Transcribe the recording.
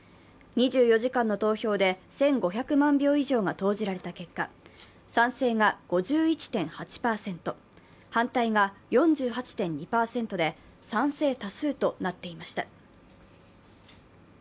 ２４時間の投票で１５００万票以上が投じられた結果、賛成が５１．８％、反対が４８．２％で賛成多数となっていました。